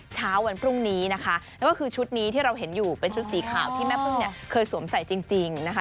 เช้าวันพรุ่งนี้นะคะนั่นก็คือชุดนี้ที่เราเห็นอยู่เป็นชุดสีขาวที่แม่พึ่งเนี่ยเคยสวมใส่จริงนะคะ